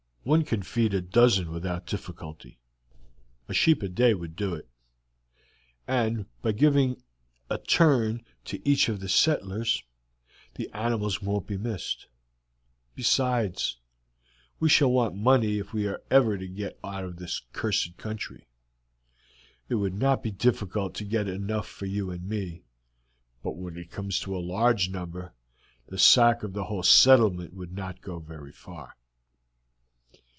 One can feed a dozen without difficulty a sheep a day would do it and by giving a turn to each of the settlers, the animals won't be missed. Besides, we shall want money if we are ever to get out of this cursed country. It would not be difficult to get enough for you and me, but when it comes to a large number the sack of the whole settlement would not go very far.